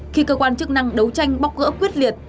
khi cơ quan chức năng đấu tranh bóc gỡ quyết liệt